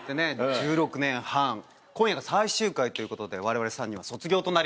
１６年半今夜が最終回ということでわれわれ３人は卒業となります。